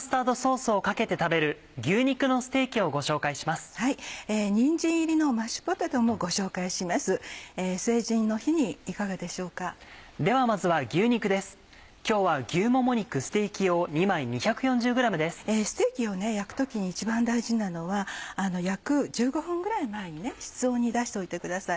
ステーキを焼く時に一番大事なのは焼く１５分ぐらい前に室温に出しておいてください。